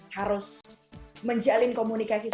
harus menjalin komunikasi